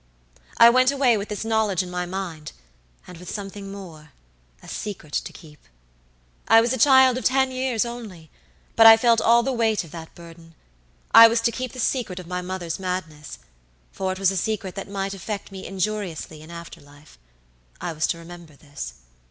"I went away with this knowledge in my mind, and with something morea secret to keep. I was a child of ten years only, but I felt all the weight of that burden. I was to keep the secret of my mother's madness; for it was a secret that might affect me injuriously in after life. I was to remember this.